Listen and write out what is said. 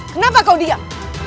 kenapa kau diam